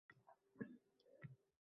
Dushmanlar holini tang qilgan o’sha